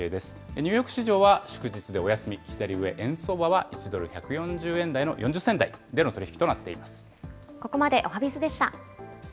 ニューヨーク市場は祝日でお休みしているうえ、円相場は１ドル１４０円台の４０銭台での取り引きとなっています。